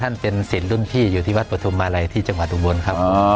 เป็นศิลปรุ่นพี่อยู่ที่วัดปฐุมมาลัยที่จังหวัดอุบลครับ